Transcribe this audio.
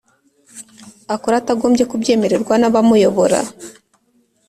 akora atagombye kubyemererwa nabamuyobora